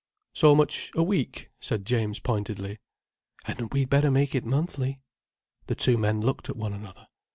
"So much a week?" said James pointedly. "Hadn't we better make it monthly?" The two men looked at one another.